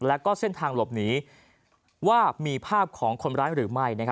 แล้วก็เส้นทางหลบหนีว่ามีภาพของคนร้ายหรือไม่